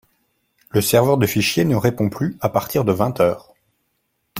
Le serveur de fichier ne répond plus à partir de vingt heure